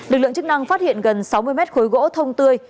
được lượng chức năng phát hiện gần sáu mươi m khối gỗ thông tươi